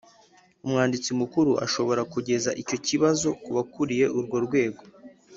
Umwanditsi Mukuru ashobora kugeza icyo kibazo ku bakuriye urwo rwego